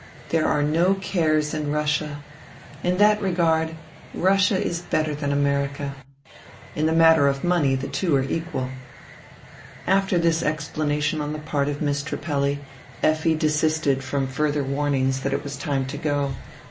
There are no cares in Russia; in that regard Russia is better than America. In the matter of money the two are equal." After this explanation on the part of Miss Trippelli, Effi desisted from further warnings that it was time to go.